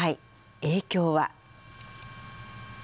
影響は。